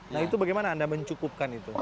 nah itu bagaimana anda mencukupkan itu